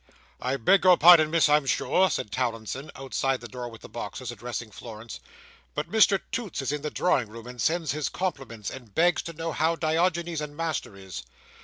"I beg your pardon, Miss, I'm sure," said Towlinson, outside the door with the boxes, addressing Florence, "but Mr Toots is in the drawing room, and sends his compliments, and begs to know how Diogenes and Master is."